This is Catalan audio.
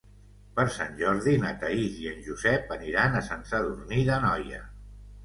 Per Sant Jordi na Thaís i en Josep aniran a Sant Sadurní d'Anoia.